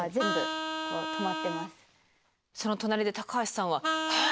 その隣で高橋さんは「へえ」